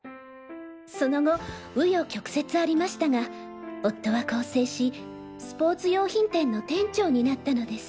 その後紆余曲折ありましたが夫は更生しスポーツ用品店の店長になったのです。